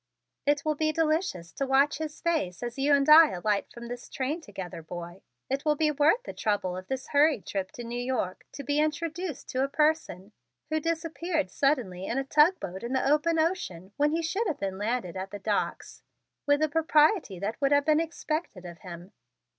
"It will be delicious to watch his face as you and I alight from this train together, boy. It will be worth the trouble of this hurried trip to New York to be introduced to a person who disappeared suddenly in a tug boat in the open ocean when he should have landed at the docks with the propriety that would have been expected of him."